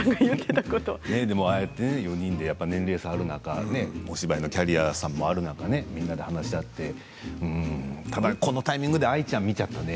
でも、ああやって４人で年齢差がある中でお芝居のキャリアもある中でみんなで話し合ってでも、このタイミングで愛ちゃんを見ちゃったね。